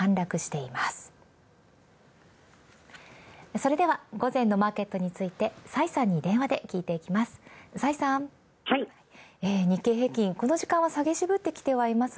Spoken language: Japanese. それでは午前のマーケットについて崔さんに電話で聞いていきます。